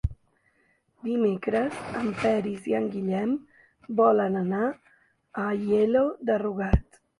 Dimecres en Peris i en Guillem volen anar a Aielo de Rugat.